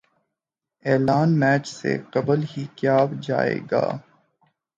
اعلان میچ سے قبل ہی کیا جائے گا